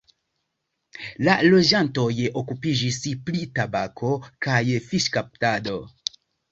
La loĝantoj okupiĝis pri tabako kaj fiŝkaptado.